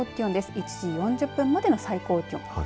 １時４０分までの最高気温。